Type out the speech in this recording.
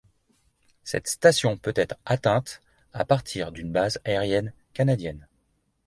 Cette station peut être atteinte à partir d'une base aérienne canadienne.